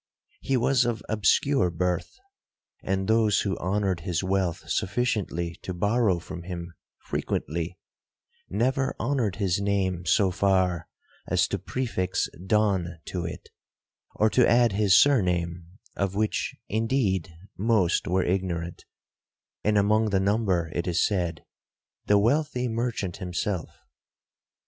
He was of obscure birth,—and those who honoured his wealth sufficiently to borrow from him frequently, never honoured his name so far as to prefix Don to it, or to add his surname, of which, indeed, most were ignorant, and among the number, it is said, the wealthy merchant himself.